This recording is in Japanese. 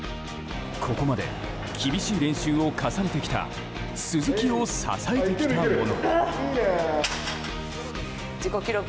ここまで厳しい練習を重ねてきた鈴木を支えてきたもの。